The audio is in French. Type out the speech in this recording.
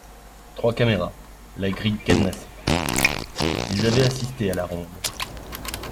trois caméras, la grille cadenassée. Ils avaient assisté à la ronde